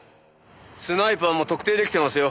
スナイパーも特定できてますよ。